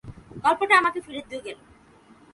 গল্পটা আমাকে ফেরত দিয়ে গেল।